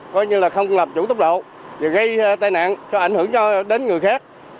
coi như là không lập chủ tốc độ và gây tai nạn cho ảnh hưởng đến người khác